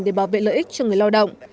để bảo vệ lợi ích cho người lao động